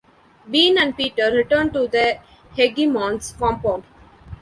Bean and Peter return to the Hegemon's compound.